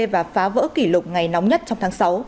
và phá vỡ kỷ lục ngày nóng nhất trong tháng sáu